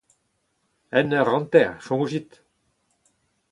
"Un eur hanter ; soñjit !"